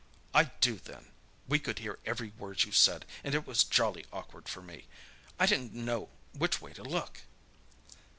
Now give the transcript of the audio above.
"I do, then! We could hear every word you said, and it was jolly awkward for me. I didn't know which way to look."